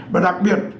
và đặc biệt